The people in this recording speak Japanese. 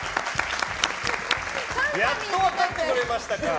やっと分かってくれましたか。